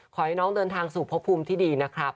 ขอให้น้องเดินทางสู่พบภูมิที่ดีนะครับ